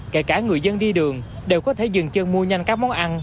kể cả người dân đi đường đều có thể dừng chân mua nhanh các món ăn